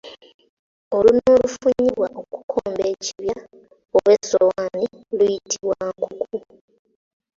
Olunwe olufunyibwa okukomba ekibya oba essowaani luyitibwa nkuku.